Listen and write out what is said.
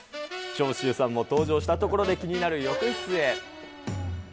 長州さんも登場したところで、気になる浴室へ。